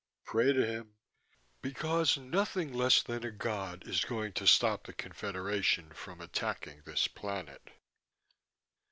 Pray to him because nothing less than a God is going to stop the Confederation from attacking this planet."